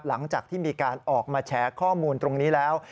หลังจากที่มีการออกมาแฉข้อมูลตรงนี้แล้ว